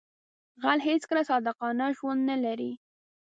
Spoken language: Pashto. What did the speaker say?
غل هیڅکله صادقانه ژوند نه لري